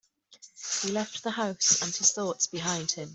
He left the house and his thoughts behind him.